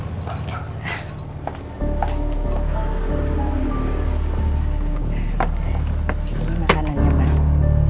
ini makanannya pas